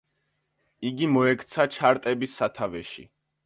იგი მოექცა ჩარტების სათავეში.